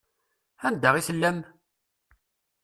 Anda i tellam?